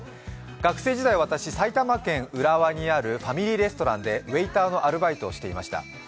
学生時代、私、埼玉県浦和にあるファミリーレストランでウエイターのアルバイトをしていました。